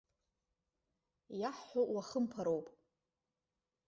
Иаҳҳәо уахымԥароуп.